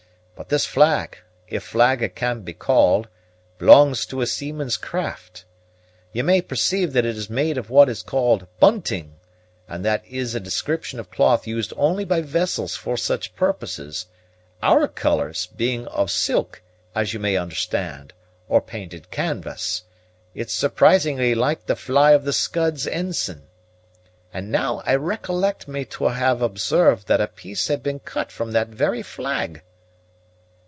But this flag, if flag it can be called, belongs to a seaman's craft. You may perceive that it is made of what is called bunting, and that is a description of cloth used only by vessels for such purposes, our colors being of silk, as you may understand, or painted canvas. It's surprisingly like the fly of the Scud's ensign. And now I recollect me to have observed that a piece had been cut from that very flag."